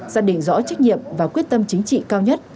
xác định rõ trách nhiệm và quyết tâm chính trị cao nhất